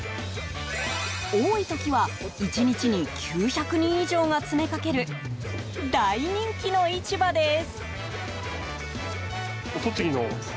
多い時は１日に９００人以上が詰めかける大人気の市場です。